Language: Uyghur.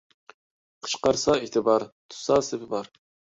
قىچقارسا ئېتى بار، تۇتسا سېپى بار.